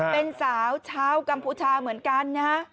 เป็นสาวชาวกัมพูชาเหมือนกันนะฮะ